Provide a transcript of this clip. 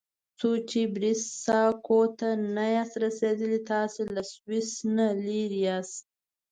څو چې بریساګو ته نه یاست رسیدلي تاسي له سویس نه لرې یاست.